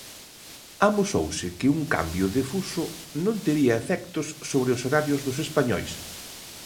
Amosouse que un cambio de fuso non tería efectos sobre os horarios dos españois.